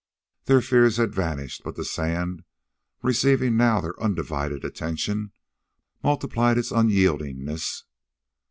Their fears had vanished, but the sand, receiving now their undivided attention, multiplied its unyieldingness.